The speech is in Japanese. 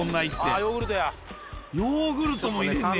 ヨーグルトも入れんのや。